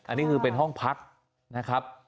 อันนี้คือเป็นห้องพักนะครับ